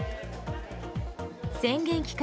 宣言期間